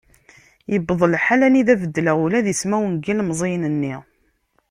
Iwweḍ lḥal anida beddleɣ ula d ismawen n yilmeẓyen-nni.